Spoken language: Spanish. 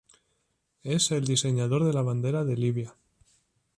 Es el diseñador de la bandera de Libia.